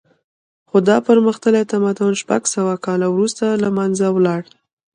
خو دا پرمختللی تمدن شپږ سوه کاله وروسته له منځه لاړ